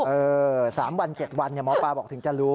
เออสามวันเจ็ดวันหมอปลาบอกถึงจะรู้